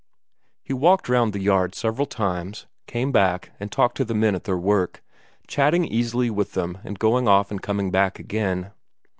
He walked round the yard several times, came back and talked to the men at their work, chatting easily with them and going off and coming back again.